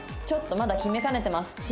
ちょっとまだ決めかねてます。